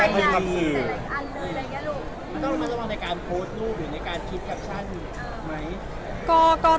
มันจะเป็นอะไรในการโพสต์รูปคิดแคปชั่นไหม